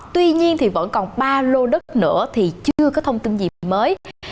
tuy nhiên thì vẫn còn ba lô đất nữa thì chưa có thông tin gì mới